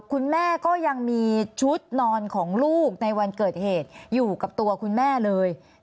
คุณแม่ก็ยังมีชุดนอนของลูกในวันเกิดเหตุอยู่กับตัวคุณแม่เลย